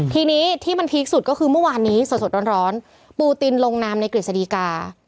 ทีนี้ที่มันพีคสุดก็คือเมื่อวานนี้สดร้อนปูตินลงนามในกฤษฎีกา